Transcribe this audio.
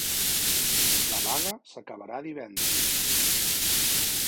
La vaga s'acabarà divendres